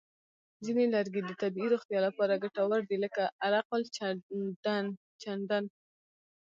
ځینې لرګي د طبیعي روغتیا لپاره ګټور دي، لکه عرقالچندڼ.